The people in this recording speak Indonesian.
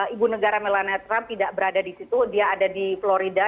ibu negara melane trump tidak berada di situ dia ada di florida